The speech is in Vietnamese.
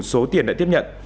số tiền đã tiếp nhận